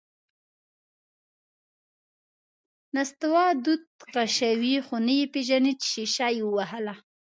نستوه دود کشوي، خو نه یې پېژني چې شیشه یې ووهله…